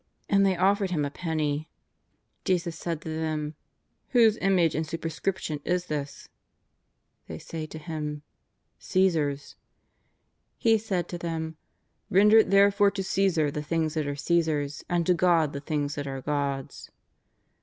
And they offered Him a penny. Jesus said to them :" Whose image and superscrip tion is this ?" They say to Him :" Cfesar's." He said to them :^' Render therefore to Caesar the things that are Caesar's and to God the things that are God's."